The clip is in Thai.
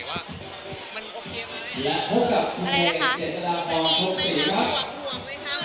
ว่ามันโอเคไหม